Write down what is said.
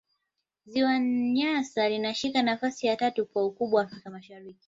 ziwa nyasa linashika nafasi ya tatu kwa ukubwa afrika mashariki